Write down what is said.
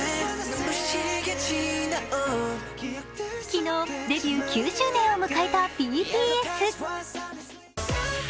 昨日、デビュー９周年を迎えたＢＴＳ。